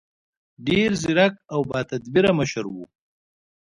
ډېر ځیرک او باتدبیره مشر و.